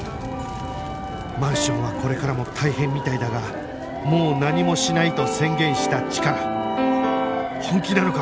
マンションはこれからも大変みたいだがもう何もしないと宣言したチカラ